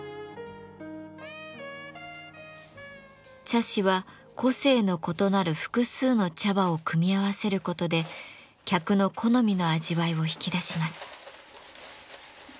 茶師は個性の異なる複数の茶葉を組み合わせることで客の好みの味わいを引き出します。